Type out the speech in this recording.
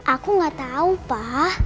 aku nggak tau pa